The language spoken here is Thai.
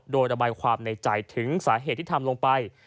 โดยระบายความในใจถึงสาเหตุที่ทำลงไป